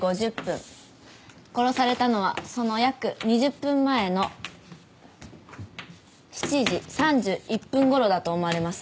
殺されたのはその約２０分前の７時３１分ごろだと思われます。